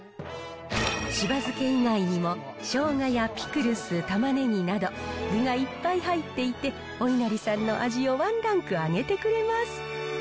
しば漬以外にも、しょうがやピクルス、タマネギなど、具がいっぱい入っていて、お稲荷さんの味をワンランク上げてくれます。